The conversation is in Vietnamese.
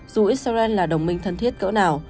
dù israel là đồng minh thân thiết cỡ nào